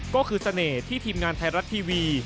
ก็คือเสน่ห์ที่ทีมงานไทยรัฐทีวี